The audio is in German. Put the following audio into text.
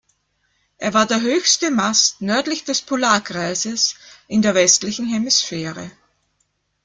Er war der höchste Mast nördlich des Polarkreises in der westlichen Hemisphäre.